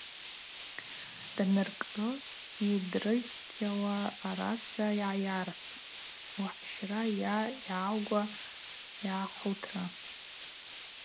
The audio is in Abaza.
Даныркӏы йдрыткӏьиуа араса гӏайархӏвтӏ: ухӏщра йа йгӏаугуа гӏахӏутра.